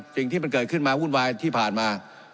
สิ่งที่มันเกิดขึ้นมาวุ่นวายที่ผ่านมา